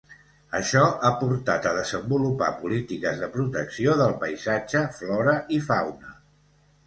Això ha portat a desenvolupar polítiques de protecció del paisatge, flora i fauna.